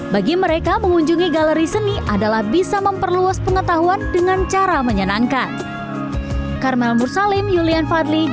bagi mereka mengunjungi galeri seni adalah bisa memperluas pengetahuan dengan cara menyenangkan